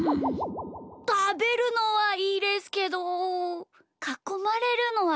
たべるのはいいですけどかこまれるのはいやです。